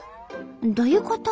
どういうこと？